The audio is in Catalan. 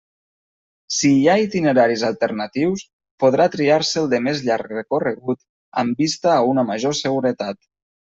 Si hi ha itineraris alternatius, podrà triar-se el de més llarg recorregut amb vista a una major seguretat.